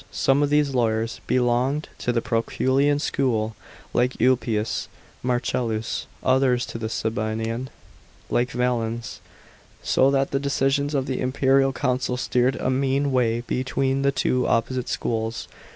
Some of these lawyers belonged to the Proculian school, like Ulpius Marcellus, others to the Sabinian, like Valens ; so that the decisions of the imperial council steered a mean way between the two opposite schools.